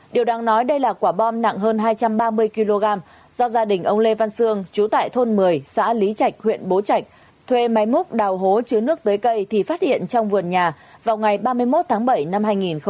điều đáng nói đây là quả bom nặng hơn hai trăm ba mươi kg do gia đình ông lê văn xương chú tại thôn một mươi xã lý trạch huyện bố trạch thuê máy múc đào hố chứa nước tới cây thì phát hiện trong vườn nhà vào ngày ba mươi một tháng bảy năm hai nghìn một mươi chín